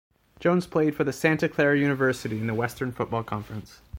Jones played for Santa Clara University in the Western Football Conference.